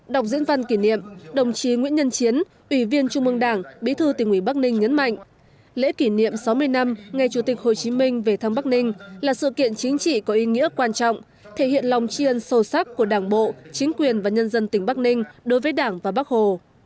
đọc diễn văn kỷ niệm đồng chí nguyễn nhân chiến ủy viên trung mương đảng bí thư tỉnh ủy bắc ninh nhấn mạnh lễ kỷ niệm sáu mươi năm ngày chủ tịch hồ chí minh về thăm bắc ninh là sự kiện chính trị có ý nghĩa quan trọng thể hiện lòng chiên sâu sắc của đảng bộ chính quyền và nhân dân tỉnh bắc ninh đối với đảng và bắc hồ